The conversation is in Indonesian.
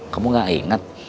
kamu gak inget